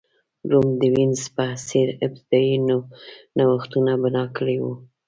روم د وینز په څېر ابتدايي نوښتونه بنا کړي وو.